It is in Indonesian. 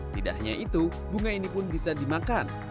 tidak hanya itu bunga ini pun bisa dimakan